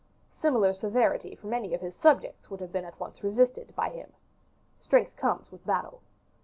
Similar severity from any of his subjects would have been at once resisted by him. Strength comes with battle.